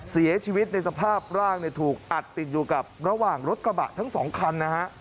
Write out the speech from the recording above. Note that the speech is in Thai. เสียชีวิตในสภาพร่างถูกอัดติดอยู่กับระหว่างรถกระบะทั้งสองคันนะฮะ